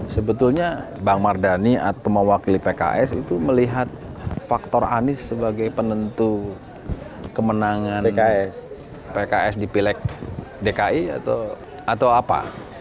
sebetulnya bang mardhani atau mewakili pks itu melihat faktor anies sebagai penentu kemenangan pks di pileg dki atau apa